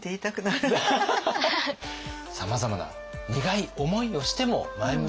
さまざまな苦い思いをしても前向きに進んだ聖武。